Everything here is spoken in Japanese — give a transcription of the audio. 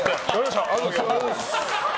ありがとうございます。